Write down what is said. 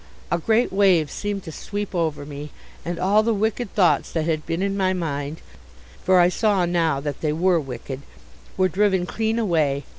A great wave seemed to sweep over me, and all the wicked thoughts that had been in my mind for I saw now that they were wicked were driven clean away.